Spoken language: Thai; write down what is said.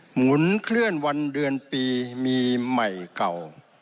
หมุนเคลื่อนวันเดือนปีมีใหม่เก่า